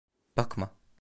Bakma.